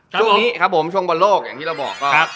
ช่วงนี้ครับผมช่วงบอลโลกอย่างที่เราบอกก็